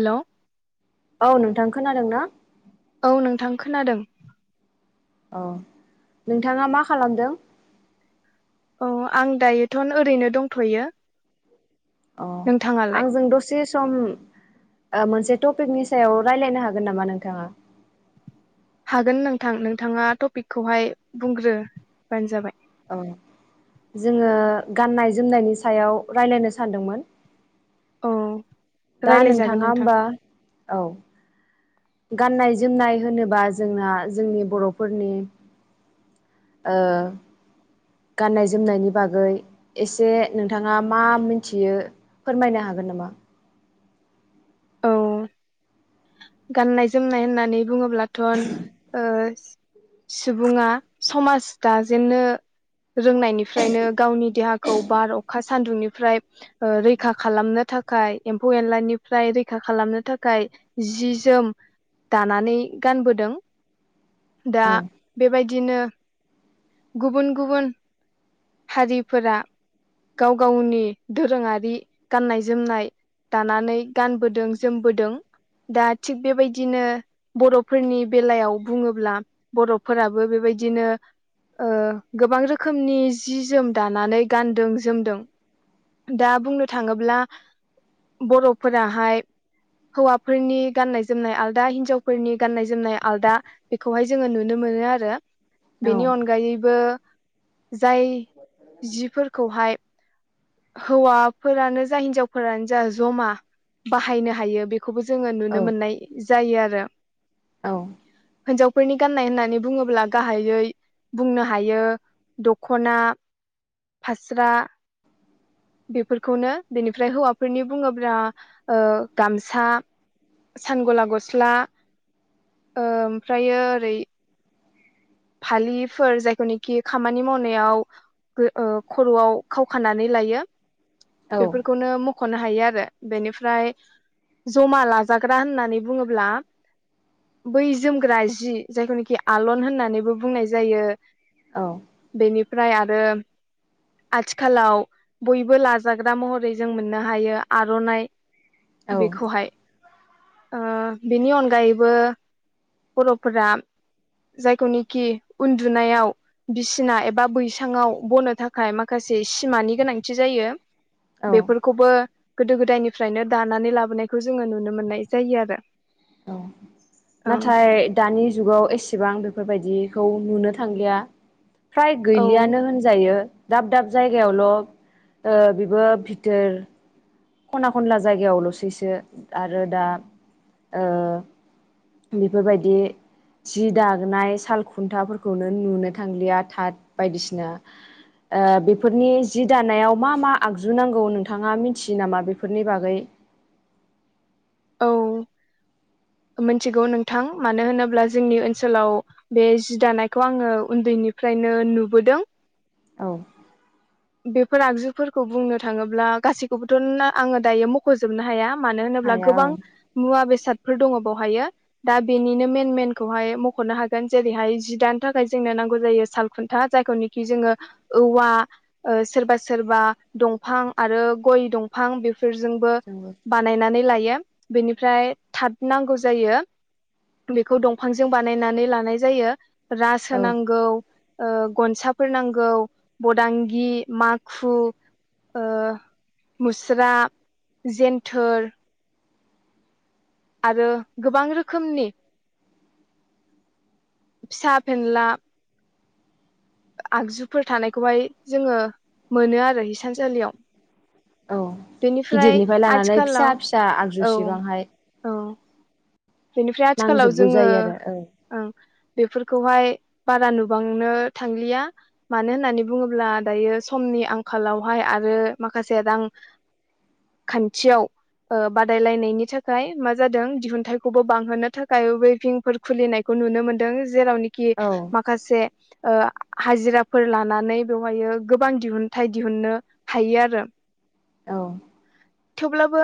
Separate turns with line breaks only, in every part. हेल'।
औ नोंथां खोनादों ना?
औ नोंथां खोनादों।
औ नोंथाङा मा खालामदों?
अ आं दायोथ'न ओरैनो दंथ'यो।
अ
नोंथाङालाय
आंजों दसे सम ओ मोनसे टपिकनि सायाव रायलायनो हागोन नामा नोंथाङा?
हागोन नोंथां नोंथाङा टपिकखौहाय बुंग्रो बानो जाबाय।
अ। जोङो गाननाय जोमनायनि सायाव रायलायनो सानदोंमोन।
अ।
दा नोंथाङा होमबा औ गाननाय जोमनाय होनोबा जोंना जोंनि बर'फोरनि ओ गाननाय जोमनायनि बागै एसे नोंथाङा मा मिथियो फोरमायनो हा हागोन नामा?
औ गाननाय जोमनाय होननानै बुङोब्लाथ'न ओ सुबुङा समाज दाजेननो रोंनायनिफ्रायनो गावनि देहाखौ बार अखा सानदुंनिफ्राय ओ रैखा खालामनो थाखाय, एम्फौ एनलानिफ्राय रैखा खालामनो थाखाय जि जोम दानानै गानबोदों। दा
औ
बेबायदिनो गुबुन गुबुन हारिफोरा गाव गावनि दोरोङारि गाननाय जोमनाय दानानै गानबोदों जोमबोदों । दा थिग बेबायदिनो बर'फोरनि बेलायाव बुङोब्ला बर'फोराबो बेबाय दिनो ओ गोबां रोखोमनि जि जोम दानानै गानदों जोमदों। दा बुंनो थाङोब्ला बर'फोराहाय हौवाफोरनि गाननाय जोमनाय आलदा हिनजावफोरनि गाननाय जोमनाय आलदा बेखौहाय जोङो नुनो मोनो आरो ।
औ ।
अनगायैबो जाय जिफोरखौहाय हौवाफोरानो जा हिनजावफोरानो जा जमा बाहायनो हायो बे बेखौबो जोङो नुनो मोननाय जायो आरो ।
औ ।
हिनजावफोरनि गान्नाय होननानै बुङोब्ला गाहायै बुंनो हायो दख'ना फास्रा बेफोरखौनो बेनिफ्राय हौवाफोरनि बुङोब्रा ओ गामसा सान गला गस्ला ओ ओमफ्रायो ओरै फालिफोर जायखौनिखि खामानि मावनायाव बो ओ खर'आव खावखानानै लायो
औ
बेफोरखौनो म ख'नो हायो आरो बेनिफ्राय जमा लाजाग्रा होननानै बुङोब्ला बै जोमग्रा जि जायखौनोखि आलन होननानैबो बुंनाय जायो ।
औ
ओमफ्राय आरो आथिखालाव बयबो लाजाग्रा महरै जों मोननो हायो आर'नाइ
औ
बेखौहाय ओ बिनि अनगायैबो बर'फोरा जायखौनिखि उन्दुनायाव बिसिना एबा बैसाङाव बनो थाखाय माखा से सिमानि गोनांथि जायो बेफोरखौबो गोदो गोदायनिफ्रायनो दानानै लाबोनायखौ जोङो नुनो मोननाय जायो आरो ।
औ नाथाय दानि जुगाव एसेबां बेफोरबायदिखौ नुनो थांलिया । फ्राय
औ
गैलियानो होनजायो । दाब दाब जायगायावल' ओ बेबो भितोर खना खनला जायगायावल'सैसो आरो दा ओ बेफोरबायदि जि दागानाय साल खुन्थाफोरखौनो नुनो थांलिया थाथ बायदिसिना ओ बेफोरनि जि दानायाव मा मा आगजु नांगौ नोंथाङा मिथि यो नामा बेफोरनि बागै?
औ । मिथिगौ नोंथां मानो होनोब्ला जोंनि ओनसोलाव बे जि दानायखौ आङो उ न्दैनिफ्रायनो नुबोदों ।
औ ।
बेफोर आगजुफोरखौ बुंनो थाङोब्ला गासैखौबोथ' नो आङो दायो मख'जोबनो हाया । मानो होनोब्ला
हाया औ
गोबां मुवा बेसाद [inaudible] फोर दं बावहायो दा बेनिनो मेन मेनखौहाय मख'नो हागोन जेरैहाय जि दानो थाखाय जोंनो नांगौ जायो साल खुन्था जायखौ निखि जोङो औवा ओ सोरबा सोरबा दंफां आरो गय दंफां दंफां बेफोर जोंबो बानायनानै लायो बेनिफ्राय थाद नांगौ जायो बेखौ दंफांजों बानायनानै लानाय जायो रासो होन
औ
नांगौ गनसाफोर नांगौ बदां गि माखु मुस्रा जेनथोर आरो गोबां रोखोमनि फिसा फेनला आगजुफोर थानायखौहाय जों मोनो आरो हिसानसालियाव
औ
बेनिफ्राय
गिदिरनिफ्राय लानानै फिसा
आथिखालाव
फिसा
औ
आगजुसिबांहाय
औ बेनिफ्राय आथिखालाव
नांजोबगौ
जों
जायो आरो
ओ बेफोरखौहाय बारा नुबांनो थांलिया मानो होननानै बुङोब्ला दायो समनि नि आंखालावहाय आरो माखासे रां खान्थियाव ओ बादायलायनायनि थाखाय मा जादों दिहुनथाइ खौबो बांहोनो थाखाय वेभिंफोर खुलिनायखौ नुनो मोनदों जेरावनोखि
औ
माखासे ओ हाजिराफोर लानानै बेवहायो गोबां दिहुनथाइ दिहुननो हायो आरो
औ
थेवब्लाबो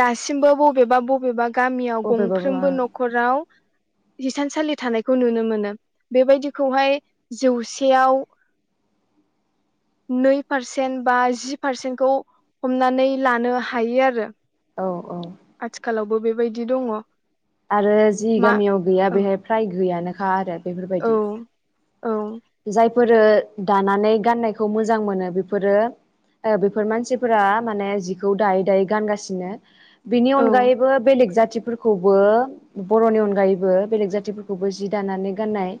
दासिमबो बबेबा बबेबा गामिआव
बबेबाबा
गंफ्रोमबो न'खराव हिसानसालि थानायखौ नुनो मोनो बेबायदिखौहाय जौसेयाव
[inaudible]
नै पारसेन्ट बा जि पारसेन्टखौ हमनानै लानो हायो आरो
औ औ
बो बेबायदि दं
आरो जि गामियाव गैया बेहाइ फ्राय गैयानोखा आरो
औ
बेफोरबायदि
औ
जायफोरो दानानै गाननायखौ मोजां मोनो बेफोरो ओ बेफोर मानसिफोरा माने जिखौ दायै दायै गानगासिनो बेनि
औ
अनगायैबो बेलेग जाथि फोरखौबो बर'नि अनगायैबो बेलेग जाथिफोरखौबो जि दानानै गाननाय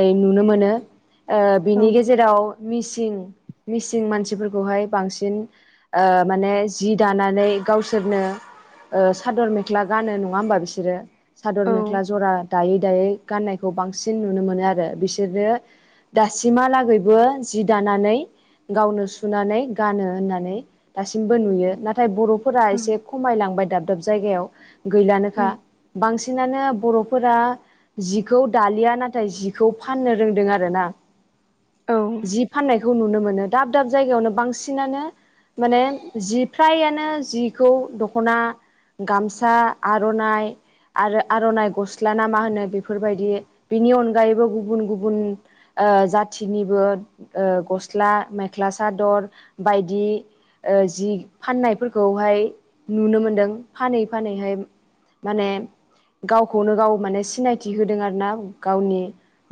ओ नुनो मोनो ओ
औ
बिनि गेजेराव मिसिं मिसिं मानसिफोरखौहाय बांसिन ओ माने जि दानानै गावसोरनो ओ सादर मेख्ला गानो नङा होमबा बिसोरो सादर
औ
मेख्ला जरा दायै दायै गाननायखौ बांसिन नुनो मोनो आरो बिसोरो दासिमहालागैबो जि दानानै गावनो सुनानै गानो होननानै दासिमबो नुयो नाथाय बर' फोरा
औ
एसे खमाय लांबाय दाब दाब जायगाआव गैलानोखा बांसिन बांसिनानो बर'फोरा जिखौ दालिया नाथाय जिखौ फाननो रोंदों आ आरोना
औ
जि फाननायखौ नुनो मोनो दाब दाब जायगायावनो बांसिनानो माने जि फ्राइआनो जिखौ दख'ना गामसा आर'नाइ आरो आर'नाइ गस्ला ना मा होनो बेफोर बायदि बिनि अनगायैबो गुबुन गुबुन ओ जाथिनिबो ओ गस्ला मेख्ला सादर बायदि ओ जि फाननायफोरखौहाय नुनो मोनदों फानै फानैहाय माने गावखौनो गाव मानि सिनायथि होदों आरो ना गावनि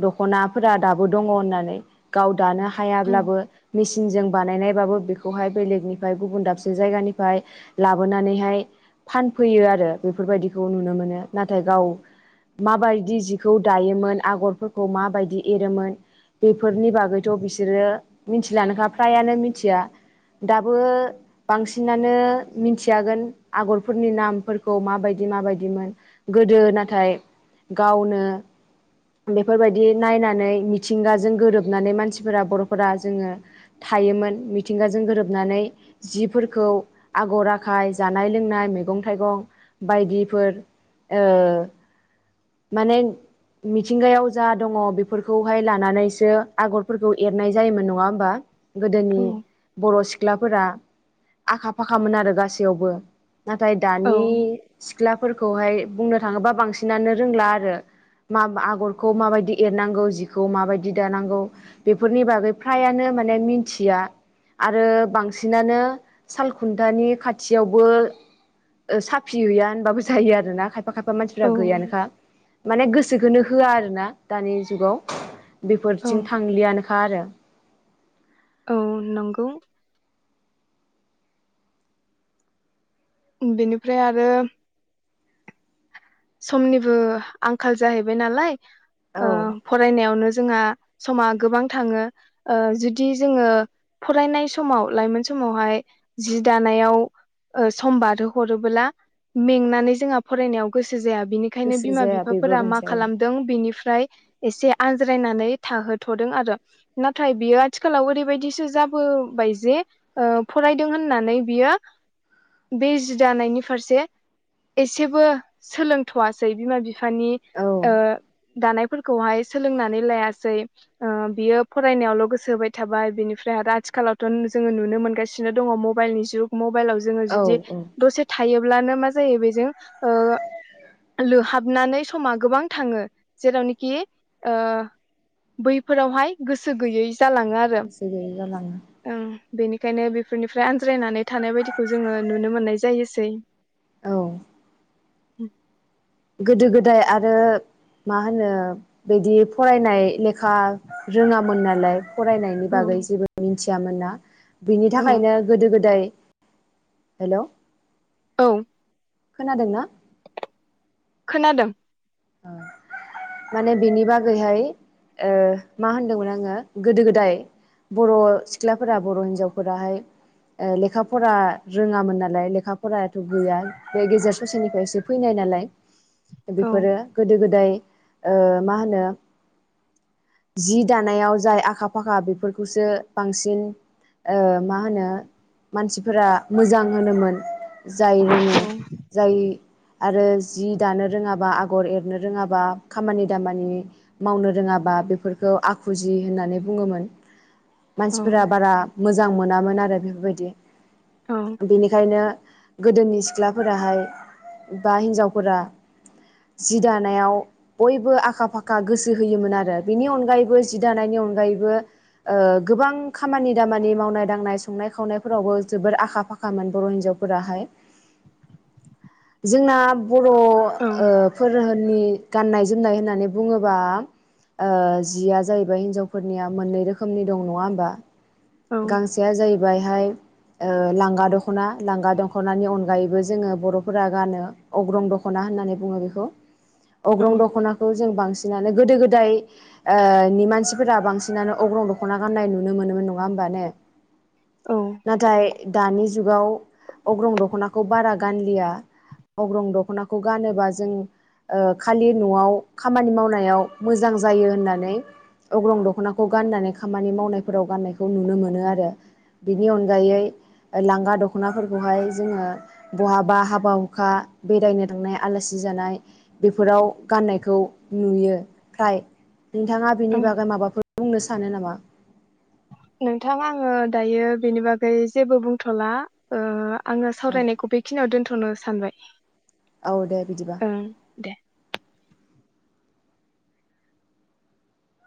दख'ना फ्रा दाबो दं होननानै गाव दानो हायाब्लाबो मेसिनजों बानायनायबाबो बेखौहाय बेलेगनिफ्राय गुबुन दाबसे जायगानिफ्राय लाबोनानैहाय फानफैयो आरो बेफोरबायदिखौ नुनो मोनो नाथाय गाव माबायदि जिखौ दायोमोन आगरफोरखौ माबायदि एरोमोन बेफोरनि बागैथ' बिसोरो मिथिलानोखा फ्रायानो मिथिया दाबो बांसिनानो मिथियागोन आगरफोरनि नामफोरखौ माबायदि माबायदिमोन गोदो नाथाय गावनो बेफोरबायदि नायनानै मिथिंगाजों गोरोबनानै मानसिफोरा बर'फोरा जोङो थायोमोन मिथिंगाजों गोरोबनानै जिफोरखौ आगर आखाय जानाय लोंनाय मैगं थाइगं बाय बायदिफोर ओ माने मिथिंगायाव जा दङ बेफोरखौहाय लानानैसो आगरफोरखौ एरनाय जायोमोन नङा होमबा गोदोनि बर' सिख्लाफोरा आखा फाखामोन आरो गासैयावबो नाथाय
औ
दानि सिख्लाफोरखौहाय बुंनो थाङोबा बांसिनानो रोंला आरो मा आगरखौ माबायदि एरनांगौ जिखौ माबायदि दानांगौ बेफोरनि बागै फ्रायानो माने मोनथिया आरो बांसिनानो सालखुन्थानि खाथियावबो साफि हैया होनबाबो जायो आरो ना खायफा खायफा बा मानसिफ्रा गैयानोखा माने गोसोखौनो होआ आरो ना दानि जुगाव
औ
बेफोरथिं थांलियानोखा आरो
औ नंगौ बेनिफ्राय आरो समनिबो आंखाल जाहैबाय नालाय
औ
ओ फरायनायावनो जोंहा समा गोबां थाङो ओ जुदि जोङो फरायनाय समाव लाइमोन समावहाय जि दानायाव सम बारो हरोबोला मेंनानै जोंहा फरायनायाव गोसो जाया बिनिखायनो
गोसो
बिमा
जाया बेबो
बिफाफोरा मा
मोनसे औ
खालामदों बेनिफ्राय एसे आनज्रायनानै थाहोथ'दों आरो नाथाय बियो आथिखालाव ओरैबायदिसो जाबो बाय जे ओ फरायदों होननानै बियो बे जि दानायनि फारसे एसेबो सोलोंथ'वासै बिमा बिफानि ओ
औ
दानायफोरखौहाय सोलोंनानै लायासै बियो ओ फरायनायावल' गोसो होबाय थाबाय बिनि फ्राय आरो आथिखालावथ' जों नुनो मोनगासिनो दङ मबाइलनि जुग मबाइलाव जोङो
औ
जुदि
औ
दसे थायोब्लानो मा जायो बेजों ओ लोहाबनानै समा गोबां थाङो जेरावनाखि ओ बैफोरावहाय गोसो गैयै जालाङो आरो
गोसो गैयै जालाङो
ओम बेनिखायनो बेफोरनिफ्राय आनज्रायनानै थानाय बायदिखौ जोङो नुनो मोननाय जायोसै
औ
ओम
गोदो गोदाय आरो मा होनो बिदि फरायनाय लेखा रोङामोन नालाय फरायनायनि
औ
बागै जेबो मिथियामोना बिनि
औ
थाखायनो गोदो गोदाय हेलौ
औ
खोनादोंना
खोनादों
माने बिनि बागैहाय ओ‌ मा होनदोंमोन आङो गोदो गोदाय बर' सिख्लाफोरा बर' हिनजावफोराहाय ओ लेखा फरा रोङामोन नालाय लेखा फरायाथ' गैया बे गेजेर ससेनिफ्रायससे फैनाय नालाय
औ
बेफोरो गोदो गोदाय ओ मा होनो जि दानायाव जाय आखा फाखा बेफोरखौसो बांसिन ओ मा होनो मानसिफोरा मोजां होनोमोन। जाय
औ
रोंङो जाय आरो जि दानो रोङाबा आगर एर नो रोङाबा खामानि दामानि मावनो रोंङाबा बेफोरखौ आखुजि होननानै बुङोमोन [inaudible]
औ
मानसिफोरा बारा मोजां मोनामोन आरो बेफोरबायदि
औ
बेनिखायनो गोदोनि सिख्लाफोराहाय बा हिनजावफोरा जि दानायाव बयबो आखा फाखा गोसो होयोमोन आरो बेनि अनगायैबो जि दानायनि अनगायै बो ओ गोबां खामानि दामानि मावनाय दांनाय संनाय खावनायफोरावबो जोबोर आखा फाखामोन बर' हिनजाव फोराहाय जोंना बर' ओ धोननि गाननाय जोमनाय होननानै बुङोबा ओ जिया जाहैबाय हिनजावफोरनिया मोननै रोखोमनि दं नङा होमबा
औ
गांसेआ जाहैबायहाय ओ लांगा दख'ना लांगा दख'नानि अनगायैबो जोंङो बर'फोरा गानो अग्रं दख' खना होननानै बुङो बेखौ अग्रं दख'नाखौ जों बांसिन नानो गोदो गोदाय ओ नि मानसिफोरा बांसिनानो अग्रं दख'ना गान्नाय नुनो मोनोमोन न नंङा‌ होमबा ने
औ
नाथाय दानि जुगाव अग्रं दख'नाखौ बारा गानलिया अग्रं दख'नाखौ गानोबा जों ओ खालि न'आव खामानि मावनायाव मोजां जायो होननानै अग्रं दख'नाखौ गाननानै खामानि मावनायफोराव गाननायखौ नुनो मोनो आरो। बिनि अनगायै लांगा दख'नाफोरखौहाय जोंङो बहाबा हाबा हुखा बेरायनो थांनाय आलासि जानाय बेफोराव गाननायखौ नुयो फ्राय नोंथाङा
औ
बेनि बागै माबाफोर बुंनो सानो नामा?
नोंथां आंङो दायो बेनि बागै जेबो बुंथ'ला ओ आंङो
औ
सावरायनायखौ बेखिनियाव दोनथ'नो सानबाय।
औ दे बिदिबा।
ओं दे